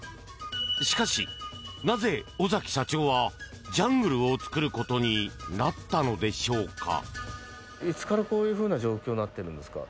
しかしなぜ、尾崎社長はジャングルを作ることになったのでしょうか？